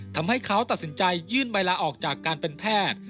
ทำให้เขาตัดสินใจยื่นใบลาออกจากการเป็นแพทย์